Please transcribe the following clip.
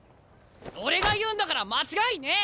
俺が言うんだから間違いねえ！